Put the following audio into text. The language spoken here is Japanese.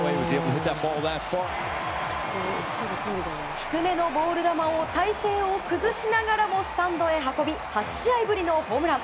低めのボール球を体勢を崩しながらもスタンドへ運び８試合ぶりのホームラン。